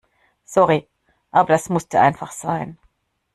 Sorry, aber das musste einfach sein.